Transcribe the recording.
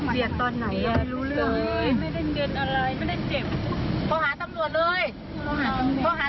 ได้ค่ะถ่ายวีดีโอไว้ค่ะ